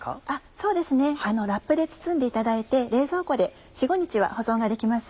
そうですねラップで包んでいただいて冷蔵庫で４５日は保存ができます。